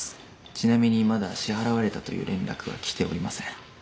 ちなみにまだ支払われたという連絡は来ておりません。